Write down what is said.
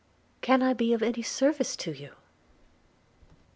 Can I be of any service to you?'